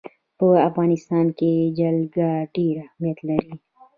په افغانستان کې جلګه ډېر اهمیت لري.